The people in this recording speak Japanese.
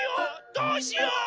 どうしよう！